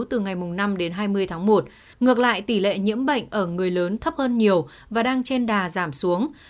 từ ngày năm đến hai mươi tháng một ngược lại tỷ lệ nhiễm bệnh ở người lớn thấp hơn nhiều và đang trên đà giảm xuống